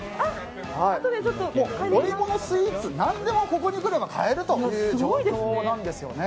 お芋のスイーツ何でもここに来れば買えるという状況なんです。